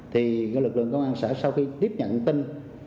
thì lực lượng công an sẽ sau khi tiếp nhận tin